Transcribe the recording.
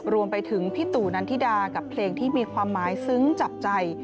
รวมไปถึงพี่ตู่นันทิดากับเพลงที่มีความหมายซึ้งจับใจ